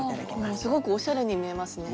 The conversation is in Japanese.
すごくおしゃれに見えますね。